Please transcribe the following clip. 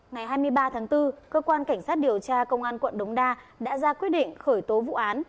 ngày hai mươi ba tháng bốn cơ quan cảnh sát điều tra công an quận đống đa đã ra quyết định khởi tố vụ án